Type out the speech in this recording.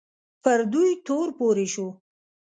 پر دوی تور پورې شو